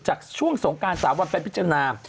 จากช่วงสงการ๓วันเป็นพิจารณา